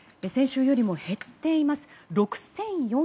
先週よりも減っています。